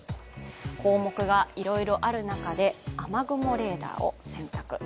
項目がいろいろある中で雨雲レーダーを選択。